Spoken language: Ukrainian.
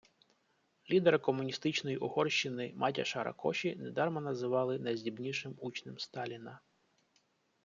Лідера комуністичної Угорщини Матяша Ракоші недарма називали «найздібнішим учнем Сталіна».